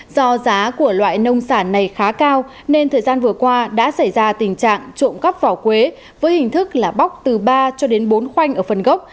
do giá của loại nông sản này khá cao nên thời gian vừa qua đã xảy ra tình trạng trộm cắp vỏ quế với hình thức là bóc từ ba cho đến bốn khoanh ở phần gốc